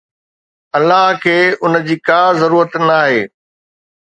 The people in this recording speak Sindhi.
الله کي ان جي ڪا ضرورت ناهي